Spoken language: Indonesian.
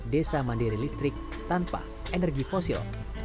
desa mandiri listrik tanpa energi fosil